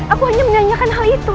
aku hanya menanyakan hal itu